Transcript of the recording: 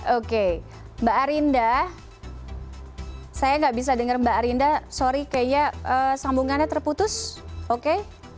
oke mbak arinda saya nggak bisa dengar mbak arinda sorry kayaknya sambungannya terputus oke